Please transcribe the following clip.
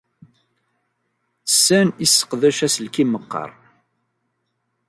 Tessen ad tesseqdec aselkim meqqar?